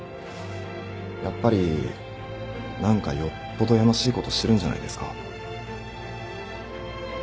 やっぱり何かよっぽどやましいことしてるんじゃないですか？